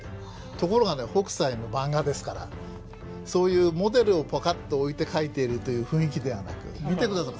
ところがね北斎のマンガですからそういうモデルをパカッと置いて描いているという雰囲気ではなく見て下さい。